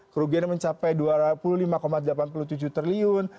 kerugiannya mencapai dua puluh lima delapan puluh tujuh triliun